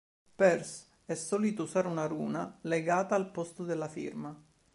Pearce è solito usare una runa legata al posto della firma.